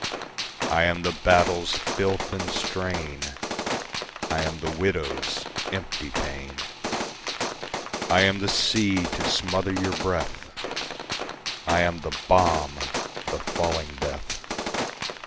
I am the battle's filth and strain, I am the widow's empty pain. I am the sea to smother your breath, I am the bomb, the falling death.